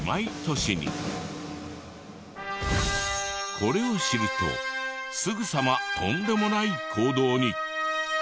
これを知るとすぐさまとんでもない行動に。